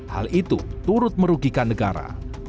hal itu turut merugikan negara